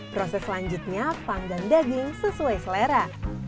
proses selanjutnya panggang daging sesuai selera